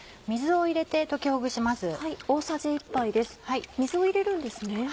水を入れるんですね。